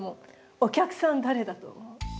お客さん誰だと思う？